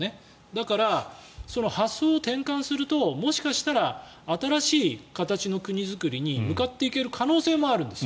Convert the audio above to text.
だから、発想を転換するともしかしたら新しい形の国作りに向かっていける可能性もあるんです。